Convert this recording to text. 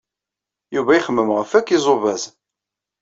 Yuba ixemmem ɣef wakk iẓubaẓ.